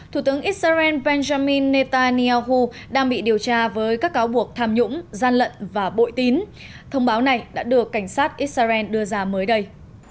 thủ tướng israel benjamin netanyahu đang bị điều tra với các cáo buộc tham nhũng gian lận và bội tín thông báo này đã được cảnh sát israel đưa ra mới đây